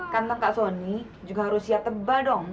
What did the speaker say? kantong kak soni juga harus siap tebal dong